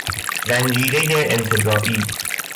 زنجیره انتزاعی